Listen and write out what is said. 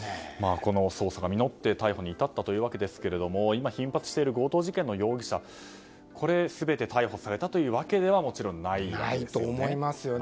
この捜査が実って逮捕に至ったというわけですが今、頻発している強盗事件の容疑者が全て逮捕されたというわけではもちろんないわけですよね。